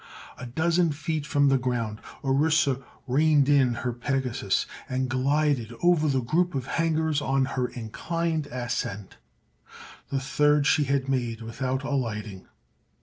A dozen feet from the ground Orissa reined in her Pegasus and glided over the group of hangars on her inclined ascent—the third she had made without alighting.